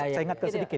saya ingatkan sedikit